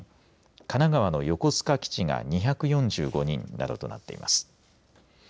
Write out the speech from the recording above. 神奈川の横須賀基地が２４５人などとなっています。